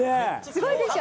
「すごいでしょ」